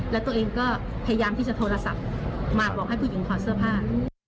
แล้วตัวเองก็พยายามที่จะโทรศัพท์มาบอกให้ผู้หญิงถอดเสื้อผ้า